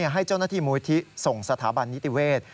ให้เจ้าหน้าที่มูลที่ส่งสถาบันนิติเวศ